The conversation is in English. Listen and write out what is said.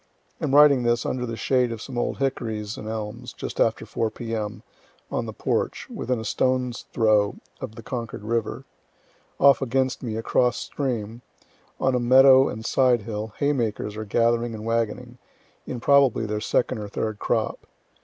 Am writing this under the shade of some old hickories and elms, just after 4 P.M., on the porch, within a stone's throw of the Concord river. Off against me, across stream, on a meadow and side hill, haymakers are gathering and wagoning in probably their second or third crop.